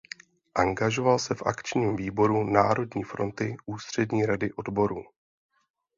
Angažoval se v Akčním výboru Národní fronty Ústřední rady odborů.